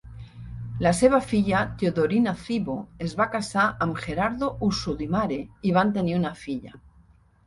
La seva filla Teodorina Cybo es va casar amb Gerardo Usodimare i van tenir una filla.